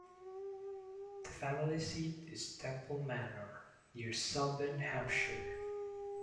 The family seat is Temple Manor, near Selborne, Hampshire.